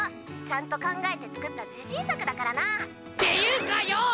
ちゃんと考えて作った自信作だからな。っていうかよぉ！